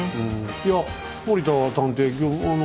いや森田探偵